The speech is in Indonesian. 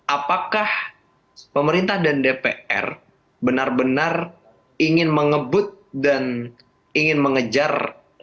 apakah pemerintah dan dpr benar benar ingin mengebut dan ingin mengejar